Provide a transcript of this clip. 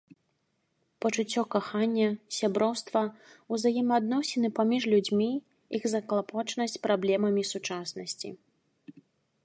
Пачуццё кахання, сяброўства, узаемаадносіны паміж людзьмі, іх заклапочанасць праблемамі сучаснасці.